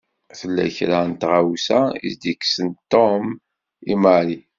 Tella kra n tɣawsa i s-d-isken Tom i Mary.